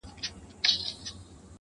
او توري څڼي به دي,